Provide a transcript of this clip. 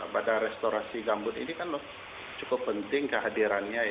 pada restorasi gambut ini kan cukup penting kehadirannya ya